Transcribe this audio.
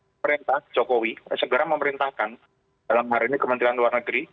pemerintahan jokowi segera memerintahkan dalam hari ini kementerian luar negeri